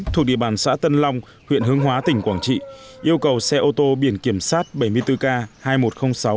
thuộc địa bàn xã tân long huyện hương hóa tỉnh quảng trị yêu cầu xe ô tô biển kiểm soát bảy mươi bốn k hai nghìn một trăm linh sáu